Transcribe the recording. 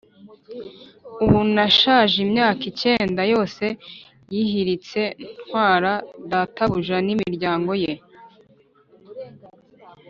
Ubu nashaje imyaka icyenda yose yihiritse ntwara databuja n’iminyago ye